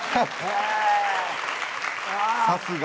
さすが。